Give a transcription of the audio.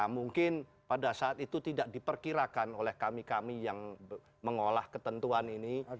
mungkin pada saat itu tidak diperkirakan oleh kami kami yang mengolah ketentuan ini